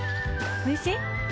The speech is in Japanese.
おいしい？